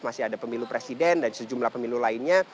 masih ada pemilu presiden dan sejumlah pemilu lainnya